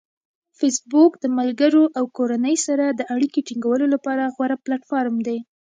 فېسبوک د ملګرو او کورنۍ سره د اړیکې ټینګولو لپاره غوره پلیټفارم دی.